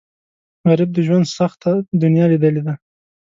غریب د ژوند سخته دنیا لیدلې ده